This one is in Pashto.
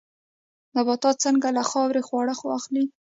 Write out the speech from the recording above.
نباتات څنګه له خاورې خواړه اخلي؟